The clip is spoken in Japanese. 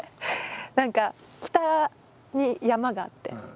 何か北に山があって。